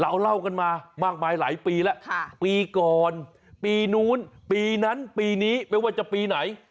เราเล่ากันมามากมายหลายปีแล้วปีก่อนปีนู้นปีนั้นปีนี้ไม่ว่าจะปีไหน